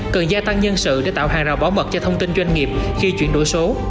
cần gia tăng nhân sự để tạo hàng rào bảo mật cho thông tin doanh nghiệp khi chuyển đổi số